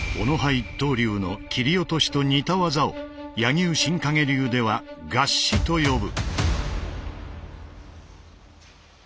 一刀流の「切落」と似た技を柳生新陰流では「合撃」と呼ぶ。